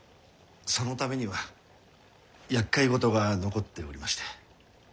そのためにはやっかい事が残っておりまして。